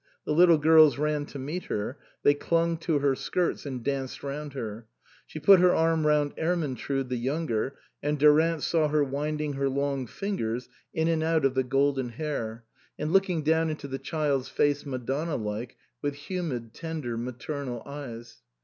The little girls ran to meet her, they clung to her skirts and danced round her ; she put her arm round Ermyntrude, the younger, and Durant saw her winding her long fingers in and out of the 162 OUTWARD BOUND golden hair, and looking down into the child's face, Madonna like, with humid, tender, maternal eyes.